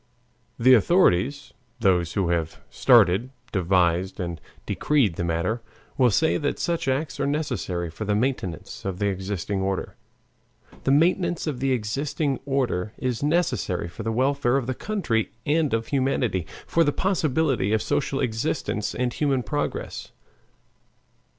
The authorities, those who have started, devised, and decreed the matter, will say that such acts are necessary for the maintenance of the existing order; the maintenance of the existing order is necessary for the welfare of the country and of humanity, for the possibility of social existence and human progress.